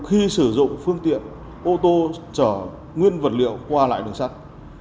khi sử dụng phương tiện ô tô chở nguyên vật liệu qua lại đường sắt